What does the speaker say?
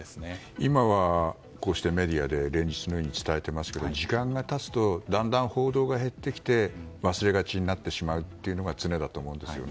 今は、こうしてメディアで連日のように伝えていますが時間が経つとだんだん報道が減ってきて忘れがちになってしまうのが常だと思うんですよね。